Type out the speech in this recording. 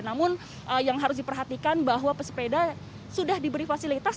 namun yang harus diperhatikan bahwa pesepeda sudah diberi fasilitas